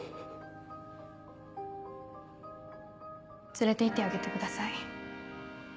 連れて行ってあげてください。